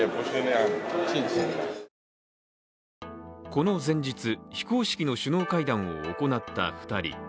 この前日、非公式の首脳会談を行った２人。